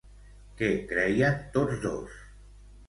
Què creien tots dos?